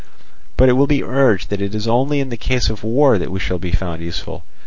But it will be urged that it is only in the case of a war that we shall be found useful.